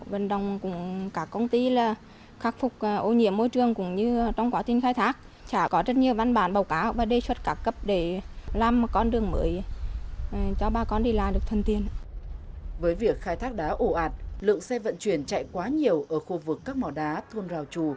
với việc khai thác đá ổ ạt lượng xe vận chuyển chạy quá nhiều ở khu vực các mỏ đá thôn rào trù